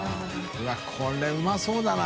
Δこれうまそうだな。